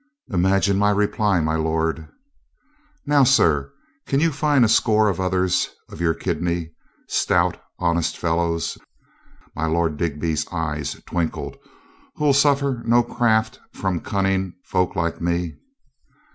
"Imagine my reply, my lord." "Now, sir, can you find a score of others of your kidney? Stout, honest fellows," my Lord Digby's THE KING LOOKS 349 eyes twinkled, "who'll suffer no craft from cunning folk like me?"